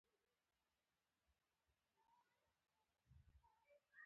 ټولنه همداسې په کلیوالي بڼه پاتې شي.